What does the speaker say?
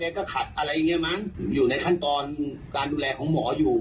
ก็ขัดอะไรอย่างเงี้มั้งอยู่ในขั้นตอนการดูแลของหมออยู่